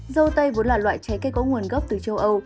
dâu tây vốn là loại trái cây có nguồn gốc từ châu âu